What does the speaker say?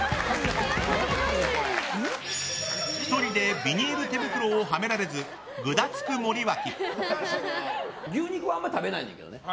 １人でビニール手袋をはめられず、グダつく森脇。